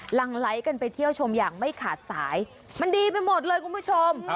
หลังไหลกันไปเที่ยวชมอย่างไม่ขาดสายมันดีไปหมดเลยคุณผู้ชม